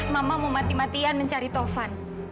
mama mau mati matian mencari tovan